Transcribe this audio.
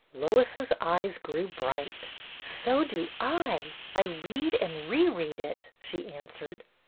Lois's eyes grew bright. " So do I. I read and reread it," she answered.